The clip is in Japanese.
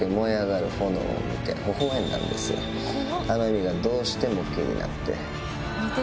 あの笑みがどうしても気になって。